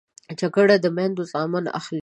جګړه د میندو زامن اخلي